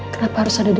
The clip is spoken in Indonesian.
kenapa harus ada dendam